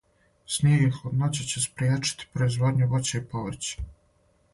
Снијег и хладноћа ће спријечити производњу воћа и поврћа